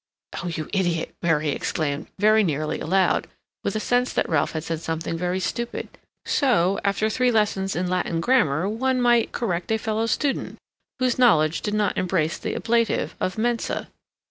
"Oh, you idiot!" Mary exclaimed, very nearly aloud, with a sense that Ralph had said something very stupid. So, after three lessons in Latin grammar, one might correct a fellow student, whose knowledge did not embrace the ablative of "mensa."